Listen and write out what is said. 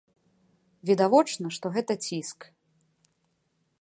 Відавочна, што гэта ціск.